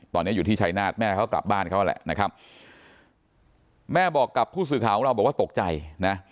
ตอนนี้อยู่ที่ชายนาฏแม่เขากลับบ้านเขาแหละนะครับแม่บอกกับผู้สื่อข่าวของเราบอกว่าตกใจนะ